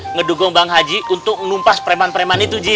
ngedukung bang haji untuk numpas preman preman itu ji